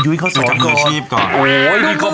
อยู่จากมืออาชีพก่อน